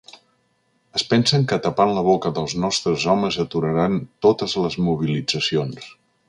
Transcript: Es pensen que tapant la boca dels nostres homes aturaran totes les mobilitzacions.